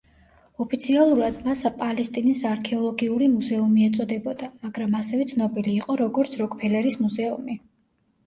ოფიციალურად, მას პალესტინის არქეოლოგიური მუზეუმი ეწოდებოდა, მაგრამ ასევე ცნობილი იყო, როგორც როკფელერის მუზეუმი.